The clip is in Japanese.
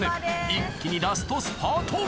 一気にラストスパート！